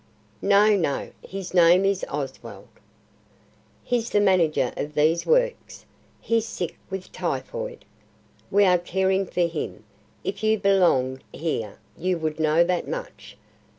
"No, no; his name is Oswald. He's the manager of these Works. He's sick with typhoid. We are caring for him. If you belonged here you would know that much.